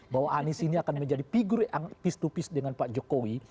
bahwa anies ini akan menjadi figur yang peace to peace dengan pak jokowi